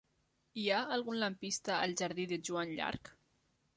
Hi ha algun lampista al jardí de Joan Llarch?